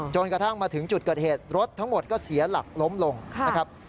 กระทั่งมาถึงจุดเกิดเหตุรถทั้งหมดก็เสียหลักล้มลงนะครับ